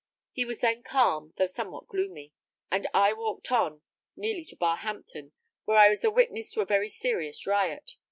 He was then calm, though somewhat gloomy; and I walked on nearly to Barhampton, where I was a witness to a very serious riot.